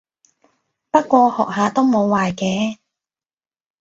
不過學下都冇壞嘅